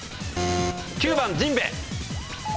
９番ジンベエ。